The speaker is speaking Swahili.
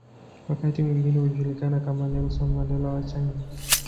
Wakati mwingine hujulikana kama "Nelson Mandela wa China".